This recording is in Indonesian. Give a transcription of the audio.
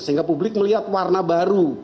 sehingga publik melihat warna baru